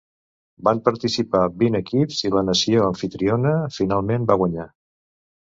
Van participar vint equips i la nació amfitriona finalment va guanyar.